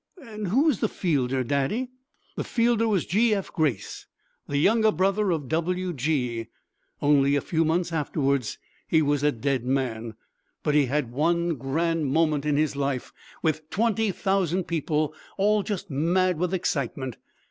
"And who was the fielder, Daddy?" "The fielder was G. F. Grace, the younger brother of W. G. Only a few months afterwards he was a dead man. But he had one grand moment in his life, with twenty thousand people all just mad with excitement.